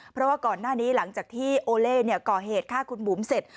เพราะว่าก่อนหน้านี้หลังจากที่โอเล่ก่อเหตุฆ่าคุณบุ๋มเสร็จ